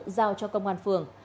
giao cho công an phường